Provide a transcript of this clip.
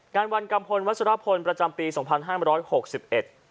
งานวันกัมพลวัชรพลประจำปีสองพันห้ามร้อยหกสิบเอ็ด